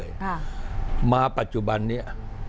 ค่ะมาปัจจุบันนี้